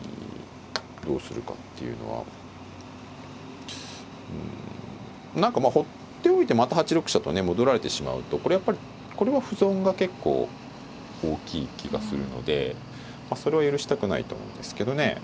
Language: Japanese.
どうするかっていうのはうん何かまあほっておいてまた８六飛車とね戻られてしまうとこれやっぱりこれも歩損が結構大きい気がするのでまあそれを許したくないと思うんですけどね。